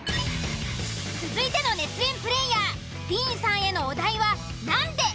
続いての熱演プレイヤーディーンさんへのお題は「なんで」。